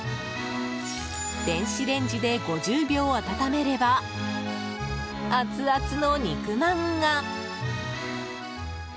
電子レンジで５０秒温めれば熱々の肉まんが！